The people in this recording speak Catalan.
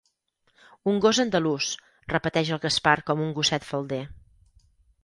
Un gos andalús —repeteix el Gaspar com un gosset falder.